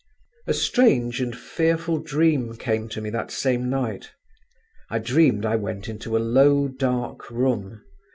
A strange and fearful dream came to me that same night. I dreamed I went into a low dark room….